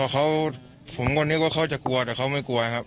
ผมก็นึกว่าเขาจะกลัวแต่เขาไม่กลัวครับ